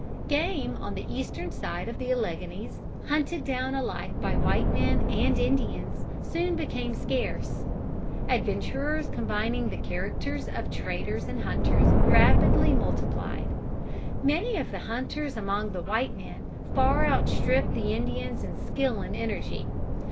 Game on the eastern side of the Alleghanies, hunted down alike by white men and Indians, soon became scarce. Adventurers combining the characters of traders and hunters rapidly multiplied. Many of the hunters among the white men far outstripped the Indians in skill and energy.